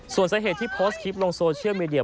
ส่วนสาเหตุที่โพสต์คลิปลงโซเชียลมีเดีย